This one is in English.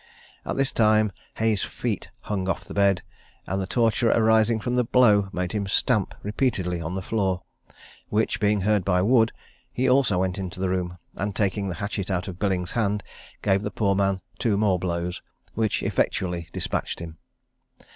At this time Hayes's feet hung off the bed; and the torture arising from the blow made him stamp repeatedly on the floor, which, being heard by Wood, he also went into the room, and, taking the hatchet out of Billings' hand, gave the poor man two more blows, which effectually despatched him.